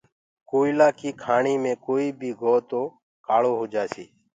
ڪوئيِلآ ڪيٚ کآڻي مي ڪوئيٚ بيٚ گو تو کآݪو هوجآسي۔